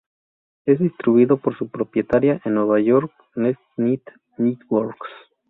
Es distribuido por su propietaria en Nueva York, Next Net Networks.